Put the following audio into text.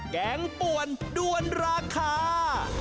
แกงป่วนด้วนราคา